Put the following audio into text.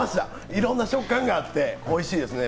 いろんな食感があっておいしいですね。